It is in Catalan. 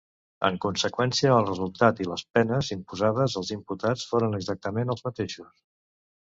En conseqüència, el resultat i les penes imposades als imputats foren exactament els mateixos.